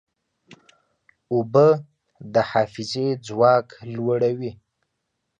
اوبه د حافظې ځواک لوړوي.